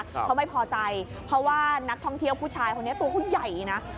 เขาไม่พอใจเพราะว่านักท่องเที่ยวผู้ชายคนนี้ตัวเขาใหญ่นะ